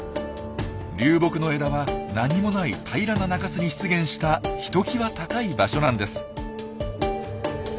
流木の枝は何もない平らな中州に出現したひときわ高い場所なんです。